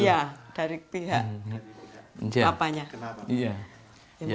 iya dari pihak bapaknya